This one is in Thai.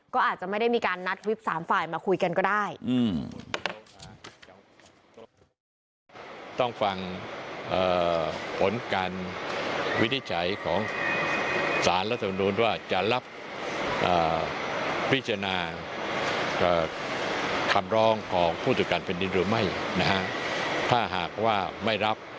ก็อาจจะไม่ได้มีการนัดวิป๓ฝ่ายมาคุยกันก็ได้